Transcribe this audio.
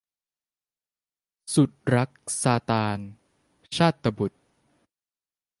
สุดรักซาตาน - ชาตบุษย์